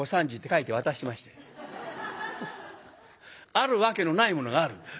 あるわけのないものがある。